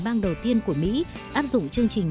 bang đầu tiên của mỹ áp dụng chương trình